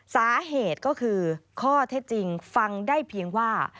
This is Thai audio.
สาเหตุก็คือข้อเท็จจริงฟังได้เพียงว่า